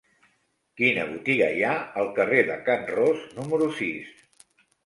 Quina botiga hi ha al carrer de Can Ros número sis?